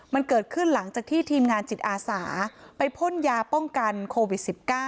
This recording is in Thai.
มันเกิดขึ้นหลังจากที่ทีมงานจิตอาสาไปพ่นยาป้องกันโควิด๑๙